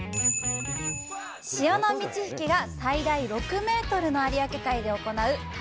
潮の満ち引きが最大６メートルの有明海で行う棚